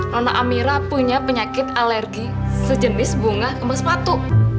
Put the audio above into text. lona amira punya penyakit alergi sejenis bunga kemas sepatu